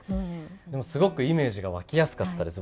でもすごくイメージが湧きやすかったです。